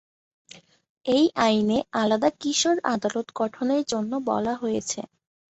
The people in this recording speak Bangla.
এই আইনে আলাদা কিশোর আদালত গঠনের জন্য বলা হয়েছে।